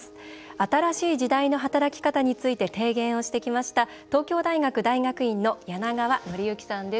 新しい時代の働き方について提言をしてきました東京大学大学院の柳川範之さんです。